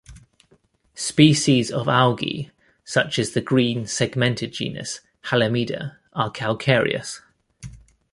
Species of algae such as the green-segmented genus "Halimeda" are calcareous.